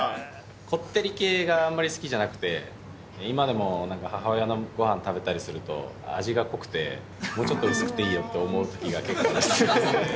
こってり系があんまり好きじゃなくて、今でもなんか母親のごはん食べたりすると、味が濃くて、もうちょっと薄くていいよって思うときが結構あります。